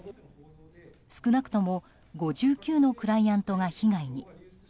少なくとも５９のクライアントが被害に。